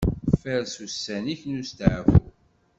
Faṛes ussan-ik n usteɛfu.